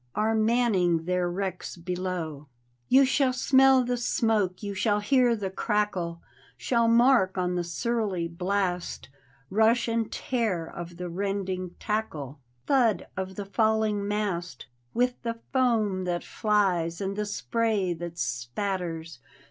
Are manning their wrecks below. You shall smell the smoke, you shall hear the crackle. Shall mark on the surly blast Rush and tear of the rending tackle, Thud of the falling mast With the foam that flies and the spray that qiatters.